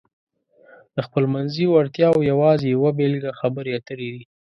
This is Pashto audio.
د خپلمنځي وړتیاو یوازې یوه بېلګه خبرې اترې دي.